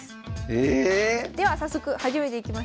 ええ⁉では早速始めていきましょう。